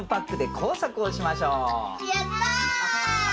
やったー！